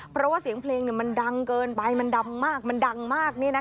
เพราะว่าเสียงเพลงมันดังเกินไปมันดำมากมันดังมาก